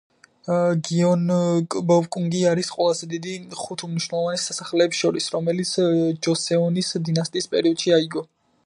გიეონგბოკგუნგი არის ყველაზე დიდი ხუთ უმნიშვნელოვანეს სასახლეებს შორის, რომელიც ჯოსეონის დინასტიის პერიოდში აიგო.